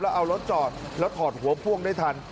แล้วเอารถจอดแล้วถอดหัวพ่วงได้ทัน